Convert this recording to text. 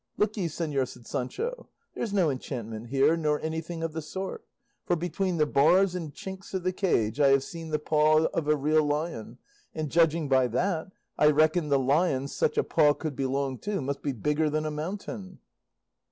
"Look ye, señor," said Sancho, "there's no enchantment here, nor anything of the sort, for between the bars and chinks of the cage I have seen the paw of a real lion, and judging by that I reckon the lion such a paw could belong to must be bigger than a mountain."